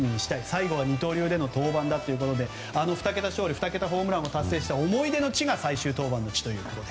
最後の二刀流での登板だということであの２桁勝利２桁ホームランを達成した思い出の地が最終登板の地ということで。